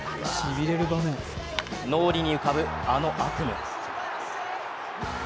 脳裏に浮かぶ、あの悪夢。